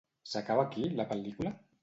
S'acaba aquí, la pel·lícula?